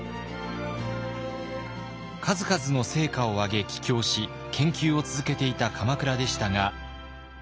数々の成果を上げ帰京し研究を続けていた鎌倉でしたが。